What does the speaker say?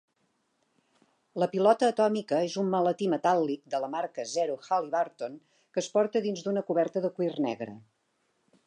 La pilota atòmica és un maletí metàl·lic de la marca Zero Halliburton que es porta dins d'una coberta de cuir negre.